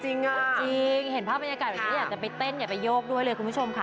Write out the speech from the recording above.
จริงเห็นภาพบรรยากาศแบบนี้อยากจะไปเต้นอย่าไปโยกด้วยเลยคุณผู้ชมค่ะ